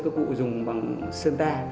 cứ cụ dùng bằng sơn ta